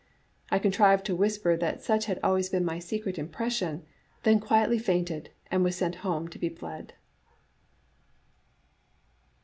I contrived to whisper that such had always been my secret impression, then quietly fainted, and was sent home to be bled."